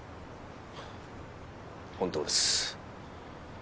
本当です。